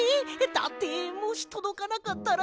だってもしとどかなかったら。